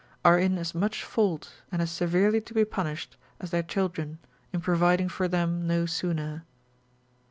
are in as much fault, and as severely to be punished as their children, in providing for them no sooner.